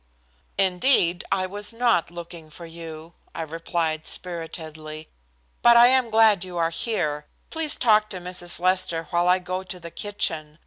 "Indeed I was not looking for you," I replied spiritedly. "But I am glad you are here. Please talk to Mrs. Lester while I go to the kitchen.